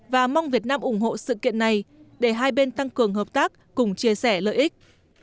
và mong việt nam ủng hộ sự kiện này để hai bên tăng cường hợp tác cùng chia sẻ lợi ích